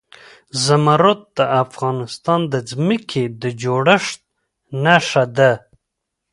زمرد د افغانستان د ځمکې د جوړښت نښه ده.